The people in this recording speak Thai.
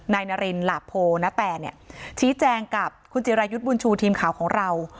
นายนารินหลาโพนาแตเนี่ยชี้แจงกับคุณจิรายุทธ์บุญชูทีมข่าวของเรา